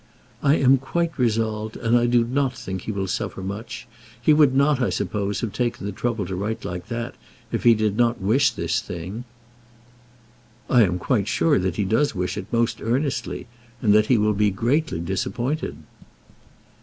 "I am quite resolved, and I do not think he will suffer much. He would not, I suppose, have taken the trouble to write like that, if he did not wish this thing." "I am quite sure that he does wish it, most earnestly; and that he will be greatly disappointed."